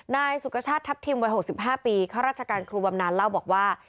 นายสุกชาติทัพทิมวัย๖๕ปีข้าราชการครูบำนานเล่าบอกว่า